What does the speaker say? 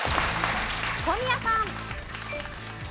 小宮さん。